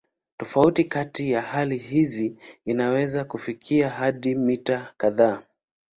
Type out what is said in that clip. Tofauti kati ya hali hizi inaweza kufikia hadi mita kadhaa.